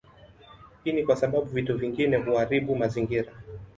Hii ni kwa sababu vitu vingine huaribu mazingira